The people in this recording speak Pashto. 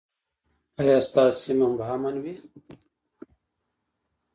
ایا ستاسو سیمه به امن وي؟